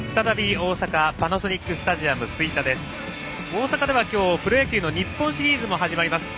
大阪では今日、プロ野球の日本シリーズも始まります。